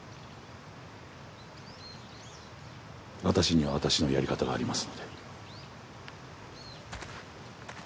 私には私のやり方がありますので。